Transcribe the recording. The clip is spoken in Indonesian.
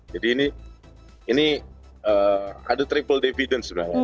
jadi ini ada triple dividend sebenarnya